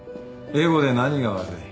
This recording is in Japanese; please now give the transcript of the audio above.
エゴで何が悪い？